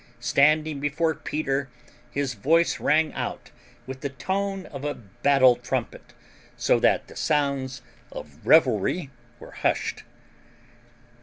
Standing before Peter, his voice rang out with the tone of a battle trumpet, so that the sounds of revelry were hushed.